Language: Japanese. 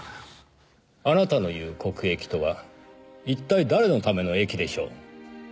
あなたの言う国益とは一体誰のための益でしょう？